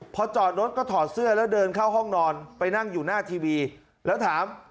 พอจอดรถก็ถอดเสื้อแล้วเดินเข้าห้องนอนไปนั่งอยู่หน้าทีวีแล้วถาม